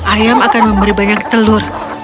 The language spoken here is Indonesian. ayam akan memberi banyak telur